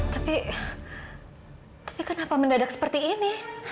tapi tapi kenapa mendadak seperti ini